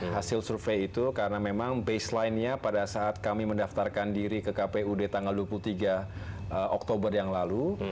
hasil survei itu karena memang baseline nya pada saat kami mendaftarkan diri ke kpud tanggal dua puluh tiga oktober yang lalu